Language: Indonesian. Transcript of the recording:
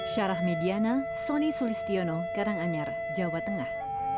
syarah mediana soni sulistiono karanganyar jawa tengah